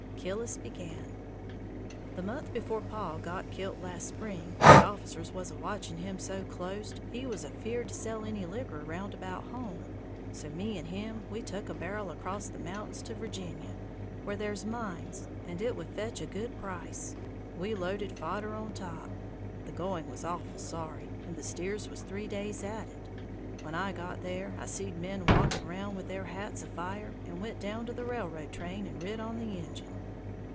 Killis began: "The month before paw got kilt last spring, the officers was a watching him so clost he was afeared to sell any liquor round about home, so me and him we tuck a barrel acrost the mountains to Virginia, where there's mines, and it would fetch a good price. We loaded fodder on top. The going was awful sorry, and the steers was three days at it. When I got there, I seed men walking round with their hats afire, and went down to the railroad train and rid on the engine."